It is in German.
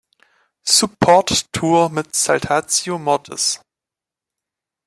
Support Tour mit Saltatio Mortis.